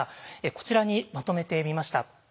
こちらにまとめてみました。